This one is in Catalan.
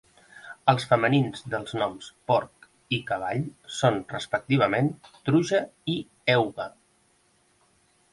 Els femenins dels noms "porc" i "cavall" són respectivament "truja" i "egua".